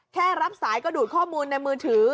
แค่รับสายก็ดูดข้อมูลในมือถือ